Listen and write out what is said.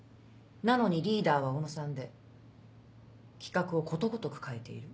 なのにリーダーは小野さんで企画をことごとく変えている？